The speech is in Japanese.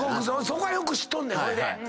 そこはよく知っとんねんほいで。